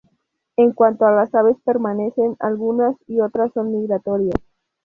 En cuanto a las aves permanecen algunas y otras son migratorias.